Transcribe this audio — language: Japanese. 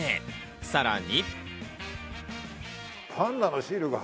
さらに。